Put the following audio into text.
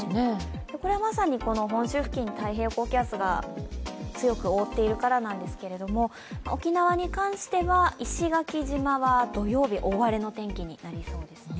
これはまさに本州付近に太平洋高気圧が強く覆っているからなんですけれども、沖縄に関しては石垣島は土曜日大荒れの天気になりそうですね。